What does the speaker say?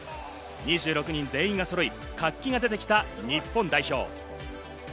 ２６人全員がそろい、活気が出てきた日本代表。